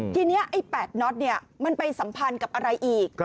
ทีนี้ไอ้๘น็อตมันไปสัมพันธ์กับอะไรอีก